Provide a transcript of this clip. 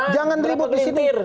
jangan ribut disini